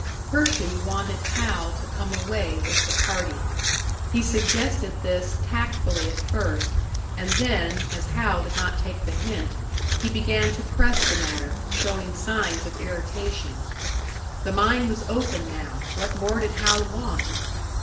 Percy wanted Hal to come away with the party. He suggested this tactfully at first, and then, as Hal did not take the hint, he began to press the matter, showing signs of irritation. The mine was open now what more did Hal want?